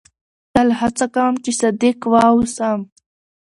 تل هڅه کوم، چي صادق واوسم.